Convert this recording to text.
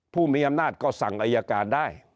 ผู้มีอำนาจก็สั่งอายการได้